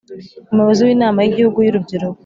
Umuyobozi w Inama y Igihugu y Urubyiruko.